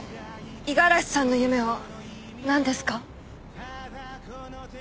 五十嵐さんの夢は何ですか？